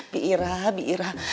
bi irah bi irah